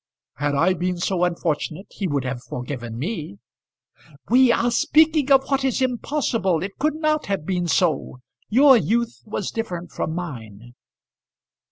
"Had I been so unfortunate he would have forgiven me." "We are speaking of what is impossible. It could not have been so. Your youth was different from mine."